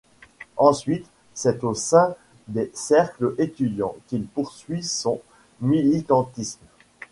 Ensuite, c’est au sein des cercles étudiants qu’il poursuit son militantisme.